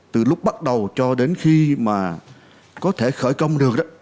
từ lúc bắt đầu cho đến khi mà có thể khởi công được đó